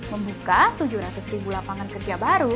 membuka tujuh ratus ribu lapangan kerja baru